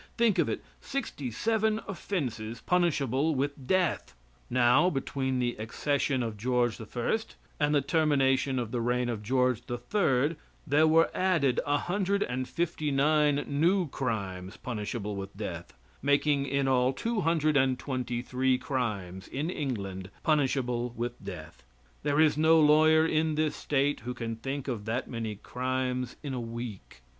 Think of it! Sixty seven offenses punishable with death! Now, between the accession of George I. and the termination of the reign of George III. there were added 156 new crimes punishable with death, making in all 223 crimes in England punishable with death. There is no lawyer in this State who can think of that many crimes in a week.